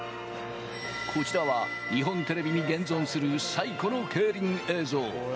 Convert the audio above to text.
こちらは日本テレビに現存する最古の競輪映像。